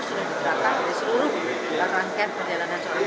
sudah diberakan dari seluruh rangkaian perjalanan